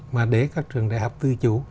mà để các trường đại học tư chủ